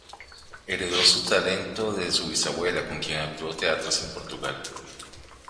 Heredó su talento de su bisabuela, con quien actuó en teatros en Portugal.